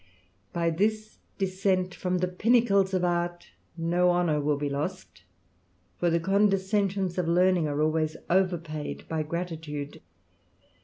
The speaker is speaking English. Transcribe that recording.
By this descent from the pinnacles of art no honour ^^ be lost ; for the condescensions of learning are always ^^^rpaid by gratitude.